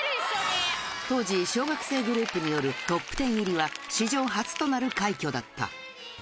当時、小学生グループによるトップ１０入りは史上初となる快挙だった。